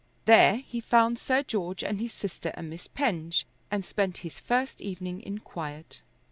There he found Sir George and his sister and Miss Penge, and spent his first evening in quiet.